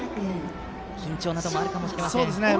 緊張などもあるかもしれません。